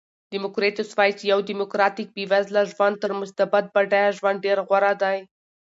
دیموکریتوس وایي چې یو دیموکراتیک بېوزله ژوند تر مستبد بډایه ژوند ډېر غوره دی.